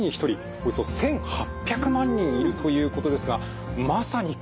およそ１，８００万人いるということですがまさに国民病といえますよね。